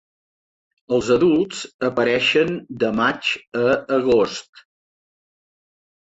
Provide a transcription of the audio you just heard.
Els adults apareixen de maig a agost.